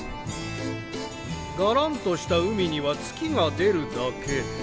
「がらんとした海には月が出るだけ。